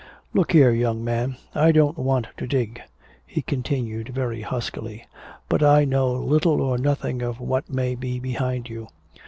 "Look here, young man, I don't want to dig," he continued very huskily. "But I know little or nothing of what may be behind you.